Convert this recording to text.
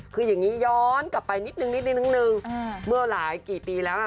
คืออย่างนี้ย้อนกลับไปนิดนึงเมื่อหลายกี่ปีแล้ว